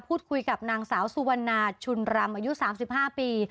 พูดคุยกับนางสาวสุวรรณาชุนรำอายุ๓๕ปี